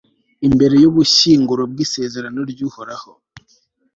imbere y'ubushyinguro bw'isezerano ry'uhoraho